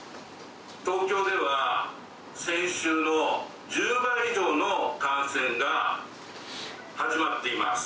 東京では、先週の１０倍以上の感染が始まっています。